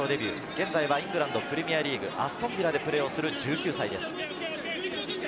現在はイングランドプレミアリーグ・アストンビラでプレーをする１９歳です。